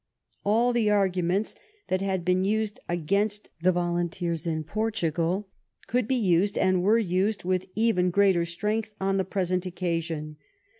All the arguments that had been used against the volunteers to Portugal could be THE QUADBUFLE ALLIANCE. 61 usedy and were used> with even greater strength on the present occasion.